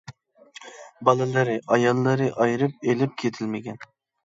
بالىلىرى، ئاياللىرى ئايرىپ ئېلىپ كېتىلمىگەن.